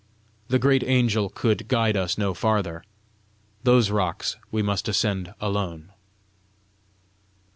The great angel could guide us no farther: those rocks we must ascend alone!